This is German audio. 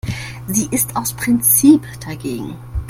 Sie ist aus Prinzip dagegen.